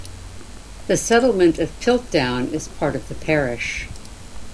The settlement of Piltdown is part of the parish.